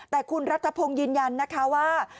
แต่คุณรัฐพงศ์ยืนยันนะคะว่า